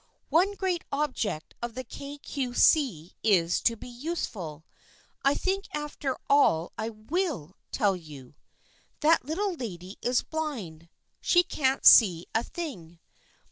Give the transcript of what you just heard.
One great object of the Kay Cue See is to be useful. I think after all I will tell you. That little lady is blind. She can't see a thing.